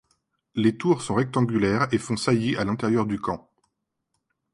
Les tours sont rectangulaires et font saillies à l'intérieur du camp.